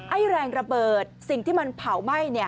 ไอ้แรงระเบิดสิ่งที่มันเผาไหม้เนี่ย